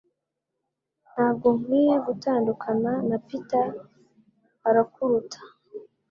Ntabwo nkwiye gutandukana na Peter - arakuruta